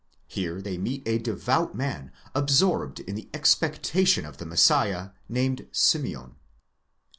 Here they meet with a devout man, absorbed in the expectation of the Messiah, named Simeon.